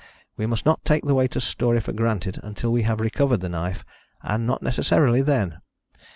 We must not take the waiter's story for granted until we have recovered the knife, and not necessarily then.